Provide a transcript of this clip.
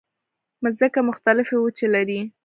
مځکه مختلفې وچې لري.